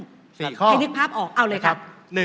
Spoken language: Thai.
ให้นึกภาพออกเอาเลยครับ